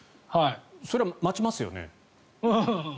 それは待ちますよね。